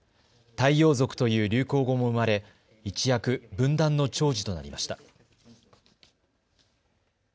太陽族という流行語も生まれ一躍、文壇のちょうじとなりました。